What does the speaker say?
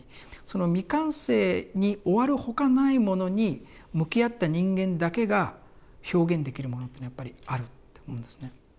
その未完成に終わるほかないものに向き合った人間だけが表現できるものっていうのはやっぱりあるって思うんですね。